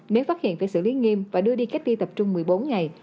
nếu phát hiện phải xử lý nghiêm và đưa đi cách ly tập trung một mươi bốn ngày